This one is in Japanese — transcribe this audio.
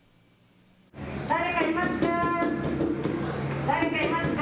誰かいますか？